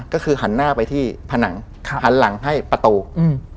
ก็คือหันหน้าไปที่ผนังครับหันหลังให้ประตูอืม